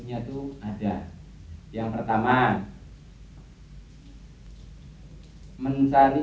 om cuma ingin membantu